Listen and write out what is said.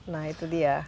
nah itu dia